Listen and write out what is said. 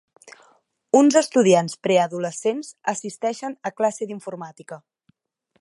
Uns estudiants preadolescents assisteixen a classe d'informàtica.